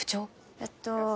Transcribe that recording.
えっと。